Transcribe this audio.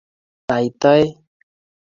bai toek